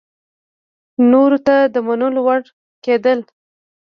نورو ته د منلو وړ کېدل